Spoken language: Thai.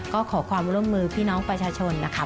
ก็ขอความร่วมมือพี่น้องประชาชนนะคะ